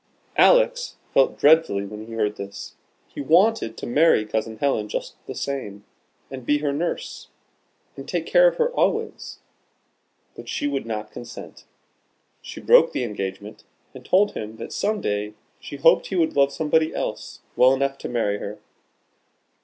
"Alex felt dreadfully when he heard this. He wanted to marry Cousin Helen just the same, and be her nurse, and take care of her always; but she would not consent. She broke the engagement, and told him that some day she hoped he would love somebody else well enough to marry her.